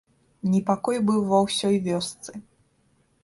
Непакой быў ва ўсёй вёсцы.